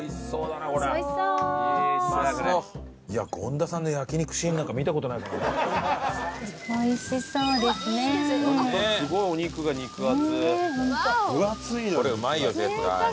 これうまいよ絶対。